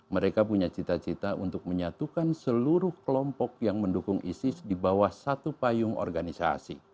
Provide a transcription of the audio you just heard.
mereka punya cita cita untuk menyatukan seluruh kelompok yang mendukung isis di bawah syria